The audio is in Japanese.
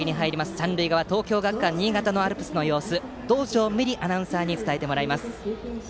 三塁側、東京学館新潟のアルプスの様子を道上美璃アナウンサーに伝えてもらいます。